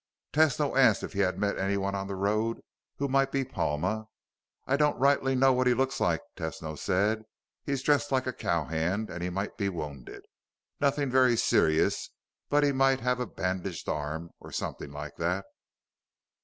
Tesno asked if he had met anyone on the road who might be Palma. "I don't rightly know what he looks like," Tesno said. "He's dressed like a cowhand, and he might be wounded. Nothing very serious, but he might have a bandaged arm, something like that."